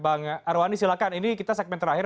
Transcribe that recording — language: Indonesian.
bang arwani silahkan ini kita segmen terakhir